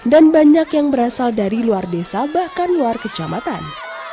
dan banyak yang berasal dari luar desa bahkan luar kejamatan